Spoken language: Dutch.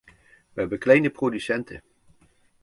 Wij hebben kleine producenten.